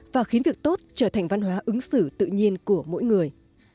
và khiến việc tốt trở thành văn hóa ứng xử tự nhiên của mỗi người